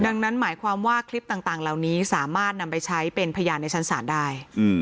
ดังนั้นหมายความว่าคลิปต่างเหล่านี้สามารถนำไปใช้เป็นพยานในชั้นศาลได้